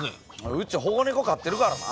うち保護ネコ飼ってるからな。